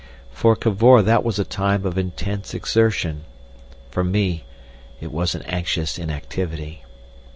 For Cavor that was a time of intense exertion; for me it was an anxious inactivity.